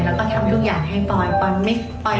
ฟังว่ากลักษณ์ไม่ได้แต่งงานกับพี่โอเครอไป